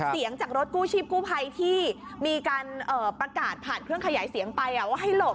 จากรถกู้ชีพกู้ภัยที่มีการประกาศผ่านเครื่องขยายเสียงไปว่าให้หลบ